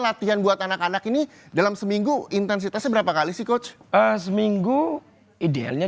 latihan buat anak anak ini dalam seminggu intensitasnya berapa kali sih coach seminggu idealnya